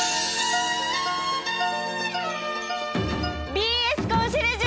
「ＢＳコンシェルジュ」！